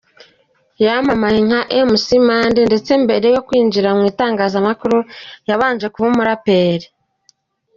Yamamaye nka Mc Monday ndetse mbere yo kwinjira mu itangazamakuru yabanje kuba umuraperi.